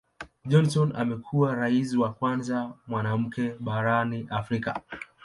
Johnson amekuwa Rais wa kwanza mwanamke barani Afrika.